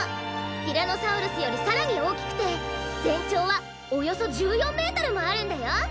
ティラノサウルスよりさらにおおきくてぜんちょうはおよそ１４メートルもあるんだよ！